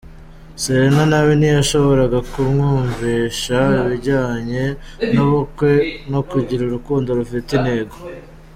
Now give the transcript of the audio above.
Selena nawe ntiyashoboraga kumwumvisha ibijyanye n’ubukwe no kugira urukundo rufite intego“.